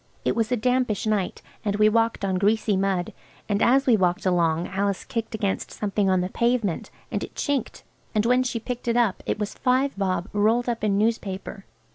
It was a dampish night, and we walked on greasy mud. And as we walked along Alice kicked against something on the pavement, and it chinked, and when she picked it up it was five bob rolled up in newspaper.